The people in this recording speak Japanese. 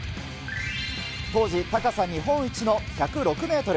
当時、高さ日本一の１０６メートル。